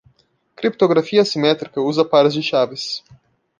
Criptografia assimétrica usa pares de chaves.